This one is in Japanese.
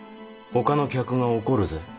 他の客が怒るぜ。